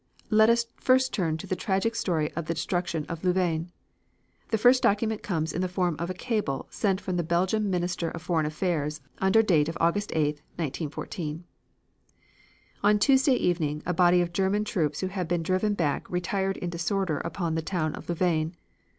Let us first turn to the tragic story of the destruction of Louvain. The first document comes in the form of a cable sent from the Belgian Minister of Foreign Affairs under date of August 8,1914: "On Tuesday evening a body of German troops who had been driven back retired in disorder upon the town of Louvain.